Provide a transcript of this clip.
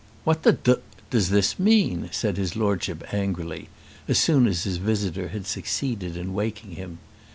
"What the d does this mean?" said his Lordship angrily, as soon as his visitor had succeeded in waking him.